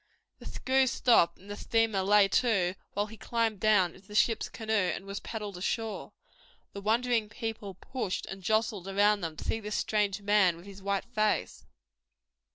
The screw stopped and the steamer lay to while he climbed down into the ship's canoe and was paddled ashore. The wondering people pushed and jostled around them to see this strange man with his white face.